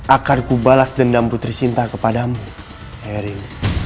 akanku balas dendam putri cinta kepadamu herim